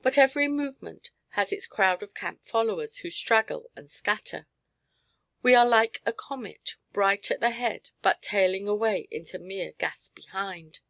But every movement has its crowd of camp followers, who straggle and scatter. We are like a comet, bright at the head but tailing away into mere gas behind.